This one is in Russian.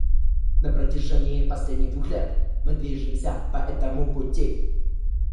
На протяжении последних двух лет мы движемся по этому пути.